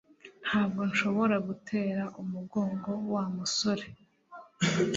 Ntabwo nshobora gutera umugongo Wa musore